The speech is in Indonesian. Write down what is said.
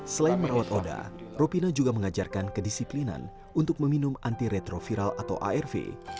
selain merawat oda ropina juga mengajarkan kedisiplinan untuk meminum anti retroviral atau arv